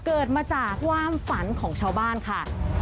เกิดมาจากความฝันของชาวบ้านค่ะ